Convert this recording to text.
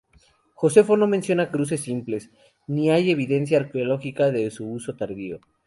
Josefo no menciona cruces simples, ni hay evidencia arqueológica de su uso tardío.